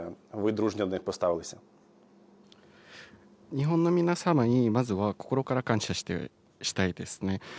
日本の皆様にまずは心から感謝したいですね。